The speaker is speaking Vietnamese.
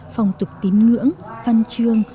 phòng tục tín ngưỡng văn chương